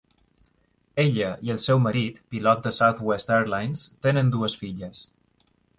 Ella i el seu marit, pilot de Southwest Airlines, tenen dues filles.